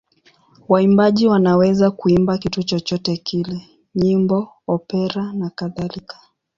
Waimbaji wanaweza kuimba kitu chochote kile: nyimbo, opera nakadhalika.